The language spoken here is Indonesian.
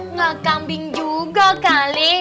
nggak kambing juga kali